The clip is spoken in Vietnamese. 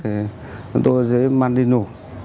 thì tôi sẽ mang đi nổ